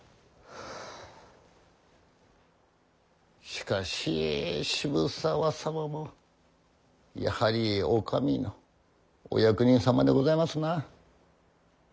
しかし渋沢様もやはりお上のお役人様でございますな。